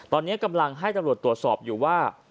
ตอนนี้กำลังให้ตำรวจตรวจสอบอยู่ว่า